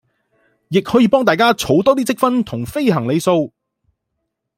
亦可以幫大家儲多啲積分同飛行里數